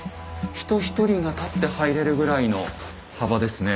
人１人が立って入れるぐらいの幅ですね。